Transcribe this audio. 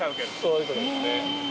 そういう事ですね。